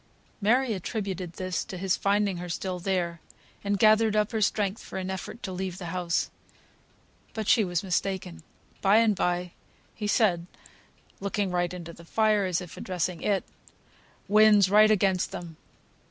Mary attributed this to his finding her still there, and gathered up her strength for an effort to leave the house. But she was mistaken. By and bye, he said (looking right into the fire, as if addressing it), "Wind's right against them!"